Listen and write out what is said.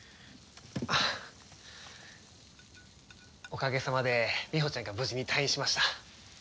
おかげさまでみほちゃんが無事に退院しました。